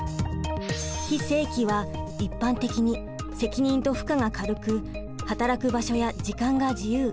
非正規は一般的に責任と負荷が軽く働く場所や時間が自由。